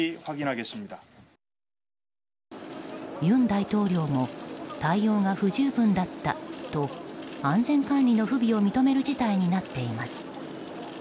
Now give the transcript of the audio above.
尹大統領も対応が不十分だったと安全管理の不備を認める事態になっています。